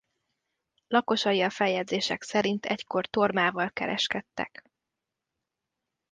Lakosai a feljegyzések szerint egykor tormával kereskedtek.